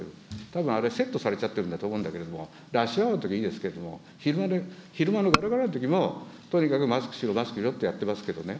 たぶんあれ、セットされちゃってると思うんだけれども、ラッシュアワーのときはいいですけど、昼間のがらがらのときも、とにかくマスクしろ、マスクしろってやってますけどね。